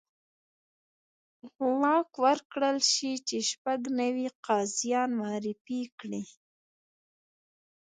واک ورکړل شي چې شپږ نوي قاضیان معرفي کړي.